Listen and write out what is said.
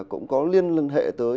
cũng có liên lân hệ tới